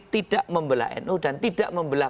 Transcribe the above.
tidak membelah nu dan tidak membelah